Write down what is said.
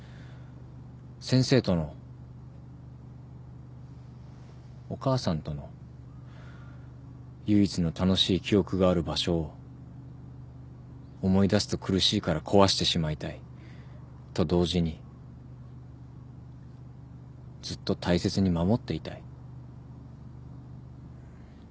先生とのお母さんとの唯一の楽しい記憶がある場所を思い出すと苦しいから壊してしまいたい。と同時にずっと大切に守っていたい。